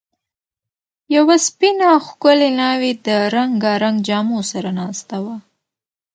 یوه سپینه، ښکلې ناوې د رنګارنګ جامو سره ناسته وه.